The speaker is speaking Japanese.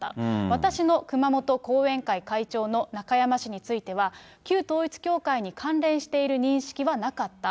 私の熊本後援会会長の中山氏については、旧統一教会に関連している認識はなかった。